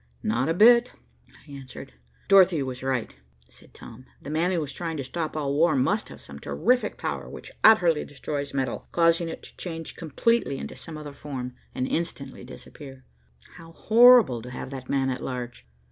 "Not a bit," I answered. "Dorothy was right," said Tom. "The man who is trying to stop all war must have some terrific power which utterly destroys metal, causing it to change completely into some other form, and instantly disappear. How horrible to have that man at large.